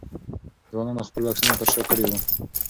ځوانانو خپل بکسونه پر شا کړي وو.